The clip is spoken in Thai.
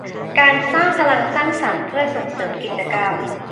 การสร้างพลังสร้างสรรค์เพื่อส่งเสริมกิจกรรม